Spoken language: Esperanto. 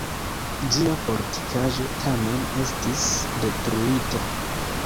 Ĝia fortikaĵo tiam estis detruita.